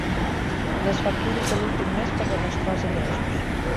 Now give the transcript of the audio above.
Les factures de l'últim mes per demostrar els ingressos.